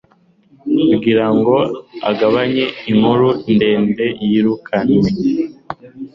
Kugira ngo agabanye inkuru ndende, yirukanwe.